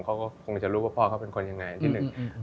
เขาก็คงจะรู้ว่าพ่อเขาเป็นคนยังไงอันที่หนึ่ง